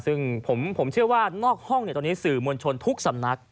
ซึ่งผมเชื่อว่านอกห้องตอนนี้สื่อมวลชนทุกสำนัก